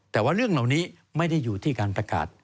แต่ว่าเรื่องเหล่านี้ไม่ได้อยู่ที่การประกาศ